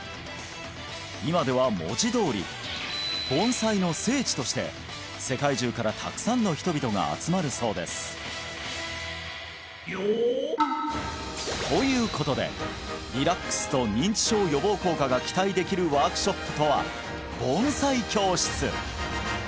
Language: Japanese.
今では文字どおりとして世界中からたくさんの人々が集まるそうですということでリラックスと認知症予防効果が期待できるワークショップとは盆栽教室！